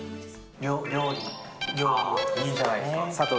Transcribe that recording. いいじゃないですか。